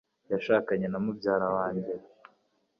yashakanye na mubyara wanjye